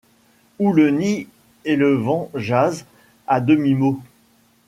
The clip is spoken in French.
Où le nid et le vent jasent à demi-mots